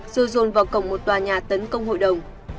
rồi dồn vào cổng một tòa nhà tấn công hội đồng